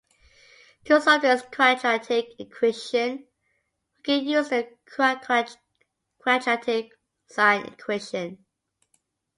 To solve this quadratic equation, we can use the quadratic sine equation.